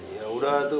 ya udah atutu